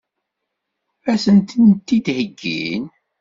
Ad sen-ten-id-heggin?